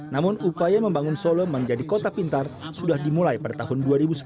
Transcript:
namun upaya membangun solo menjadi kota pintar sudah dimulai pada tahun dua ribu sepuluh